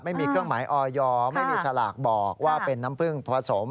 ไม่มีเครื่องหมายออยไม่มีสลากบอกว่าเป็นน้ำผึ้งผสม